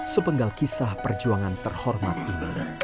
sepenggal kisah perjuangan terhormat ini